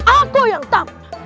aku yang tamat